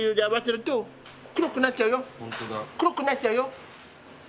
黒くなっちゃうよ。